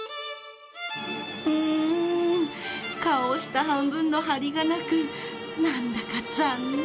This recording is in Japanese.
うん顔下半分のハリがなくなんだか残念。